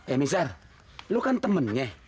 eh mizar lo kan temennya